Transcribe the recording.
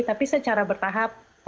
tapi secara bertahap